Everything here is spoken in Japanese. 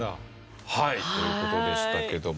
はいという事でしたけども。